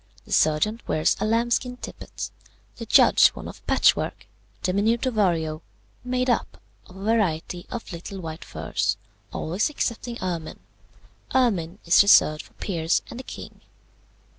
The serjeant wears a lambskin tippet; the judge one of patchwork, de minuto vario, made up of a variety of little white furs, always excepting ermine. Ermine is reserved for peers and the king.